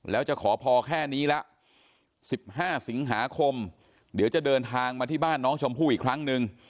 แล้วจะขอพอแค่นี้ละ๑๕สิงหาคมเดี๋ยวจะเดินทางมาที่บ้านน้องชมพู่อีกครั้งหนึ่ง